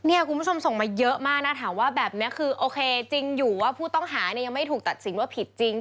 คุณผู้ชมส่งมาเยอะมากนะถามว่าแบบนี้คือโอเคจริงอยู่ว่าผู้ต้องหาเนี่ยยังไม่ถูกตัดสินว่าผิดจริง